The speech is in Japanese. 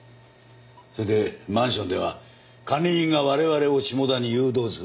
それでマンションでは管理人が我々を下田に誘導する。